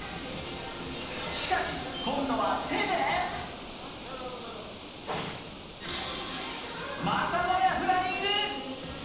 しかし今度は手でまたもやフライング。